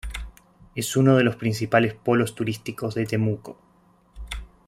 Es uno de los principales polos turísticos de Temuco.